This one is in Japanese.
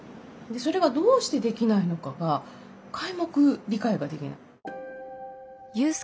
でそれがどうしてできないのかが皆目理解ができない。